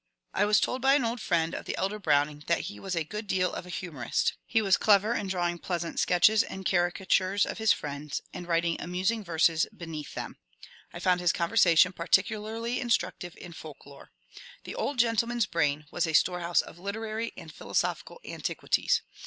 I was told by an old friend of the elder Browning that he was a good deal of a humourist ; he was clever in drawing pleasant sketches and 24 MONCURE DANIEL CONWAY caricatures of his friends, and writing amusing verses beneath them. I found his conversation particularly instructive in folk lore. The old gentleman's brain was a storehouse of lit erary and philosophical antiquities.